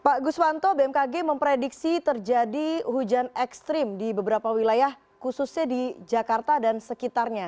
pak guswanto bmkg memprediksi terjadi hujan ekstrim di beberapa wilayah khususnya di jakarta dan sekitarnya